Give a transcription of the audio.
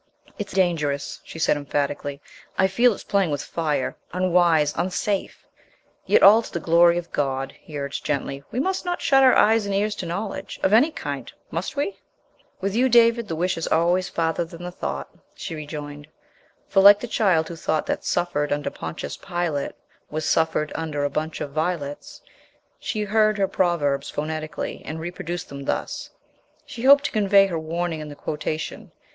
"It's dangerous," she said emphatically. "I feel it's playing with fire, unwise, unsafe " "Yet all to the glory of God," he urged gently. "We must not shut our ears and eyes to knowledge of any kind, must we?" "With you, David, the wish is always farther than the thought," she rejoined. For, like the child who thought that "suffered under Pontius Pilate" was "suffered under a bunch of violets," she heard her proverbs phonetically and reproduced them thus. She hoped to convey her warning in the quotation.